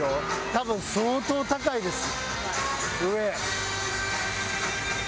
多分相当高いです上。